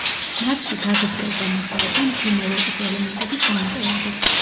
მასში გაგრძელდა მუშაობა მძიმე როკის ელემენტების გამოყენებით.